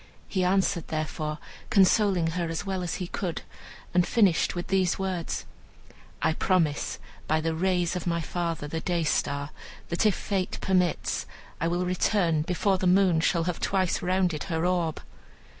He answered, therefore, consoling her as well as he could, and finished with these words: "I promise, by the rays of my father the Day star, that if fate permits I will return before the moon shall have twice rounded her orb."